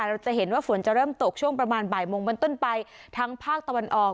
เราจะเห็นว่าฝนจะเริ่มตกช่วงประมาณบ่ายโมงบนต้นไปทั้งภาคตะวันออก